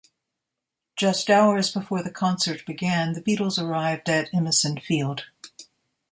Just hours before the concert began, the Beatles arrived at Imeson Field.